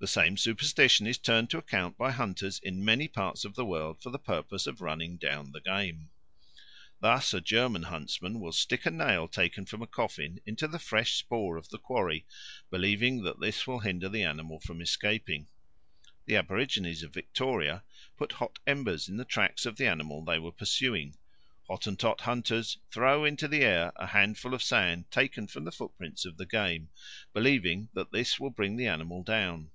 The same superstition is turned to account by hunters in many parts of the world for the purpose of running down the game. Thus a German huntsman will stick a nail taken from a coffin into the fresh spoor of the quarry, believing that this will hinder the animal from escaping. The aborigines of Victoria put hot embers in the tracks of the animals they were pursuing. Hottentot hunters throw into the air a handful of sand taken from the footprints of the game, believing that this will bring the animal down.